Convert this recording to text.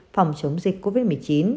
phòng chống dịch covid một mươi chín